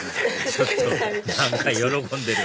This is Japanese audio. ちょっと何か喜んでる